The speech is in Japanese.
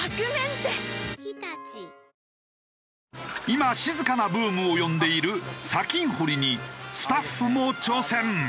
今静かなブームを呼んでいる砂金掘りにスタッフも挑戦。